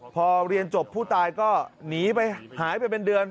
พอเรียนจบผู้ตายก็หนีไปหายไปเป็นเดือน